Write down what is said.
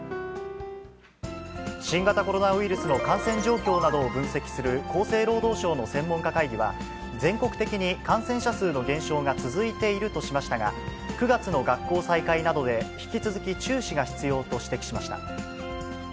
新型コロナウイルスの感染状況などを分析する厚生労働省の専門家会議は、全国的に感染者数の減少が続いているとしましたが、９月の学校再開などで、引き続き注視が必要と指摘しました。